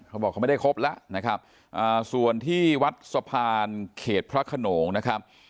เขาบอกเขาไม่ได้ครบแล้วนะครับส่วนที่วัดสะพานเขตพระขนงนะครับ